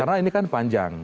karena ini kan panjang